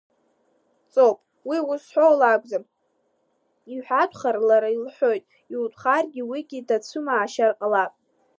Ҵоуп, уи ус зҳәо лакәӡам, иҳәатәхар, лара илҳәоит, иутәхаргьы уигьы дацәымаашьар ҟалап.